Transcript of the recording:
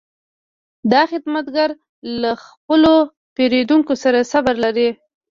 دا خدمتګر له خپلو پیرودونکو سره صبر لري.